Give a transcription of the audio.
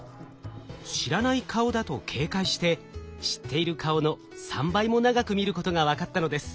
知らない顔だと警戒して知っている顔の３倍も長く見ることが分かったのです。